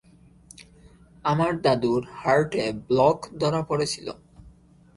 আমার দাদুর হার্টে ব্লক ধরা পরেছিল।